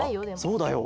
そうだよ。